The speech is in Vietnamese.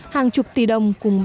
hàng chục tỷ đồng cùng ba tỷ đồng